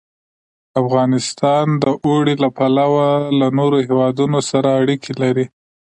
افغانستان د اوړي له پلوه له نورو هېوادونو سره اړیکې لري.